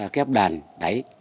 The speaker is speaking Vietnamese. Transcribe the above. kép đàn đáy